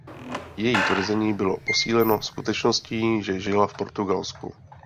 Její tvrzení bylo posíleno skutečností že žila v Portugalsku.